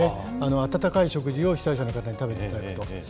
温かい食事を被災者の方に食べていただくと。